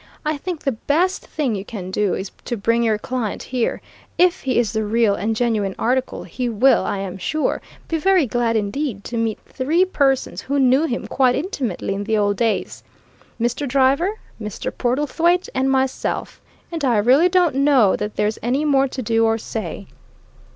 "I think the best thing you can do is to bring your client here if he is the real and genuine article, he will, I am sure, be very glad indeed to meet three persons who knew him quite intimately in the old days Mr. Driver, Mr. Portlethwaite and myself. And I really don't know that there's any more to do or say."